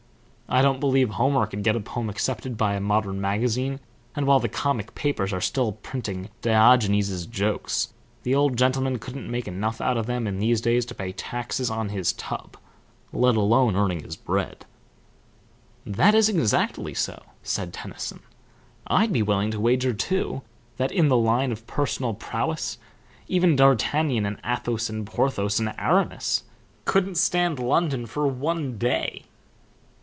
I don't believe Homer could get a poem accepted by a modern magazine, and while the comic papers are still printing Diogenes' jokes the old gentleman couldn't make enough out of them in these days to pay taxes on his tub, let alone earning his bread." "That is exactly so," said Tennyson. "I'd be willing to wager too that, in the line of personal prowess, even D'Artagnan and Athos and Porthos and Aramis couldn't stand London for one day."